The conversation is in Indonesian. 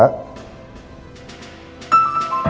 terima kasih pak